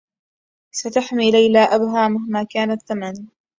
ستحمي ليلى إبها مهما كان الثّمن.